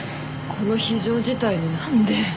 この非常事態に何で？